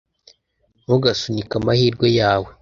ntugasunike amahirwe yawe